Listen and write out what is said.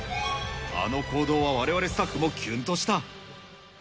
あの行動はわれわれスタッフもキュンとした。